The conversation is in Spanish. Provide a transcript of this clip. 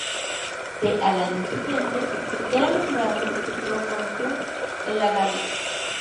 C.. Al año siguiente era nombrado procónsul en la Galia.